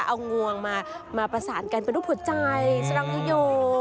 เอางวงมาประสานกันเป็นรูปหัวใจสรังฮโย